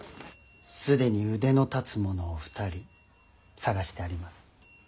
すでに腕の立つ者を２人探してあります。